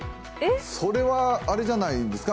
それはあれじゃないんですか。